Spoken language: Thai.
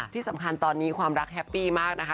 ที่สำคัญตอนนี้ความรักแฮปปี้มากนะคะ